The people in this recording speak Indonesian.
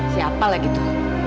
siapa lah gitu